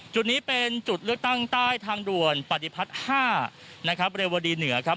จุดนี้เป็นจุดเลือกตั้งใต้ทางด่วนปฏิพันธ์๕บริวารีเหนือ